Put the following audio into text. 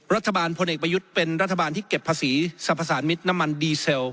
พลเอกประยุทธ์เป็นรัฐบาลที่เก็บภาษีสรรพสารมิตรน้ำมันดีเซล